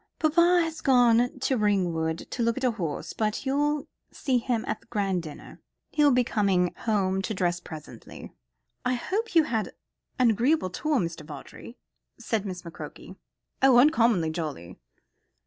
"Papa has gone to Ringwood to look at a horse; but you'll see him at the grand dinner. He'll be coming home to dress presently." "I hope you had an agreeable tour, Mr. Vawdrey?" said Miss McCroke. "Oh, uncommonly jolly."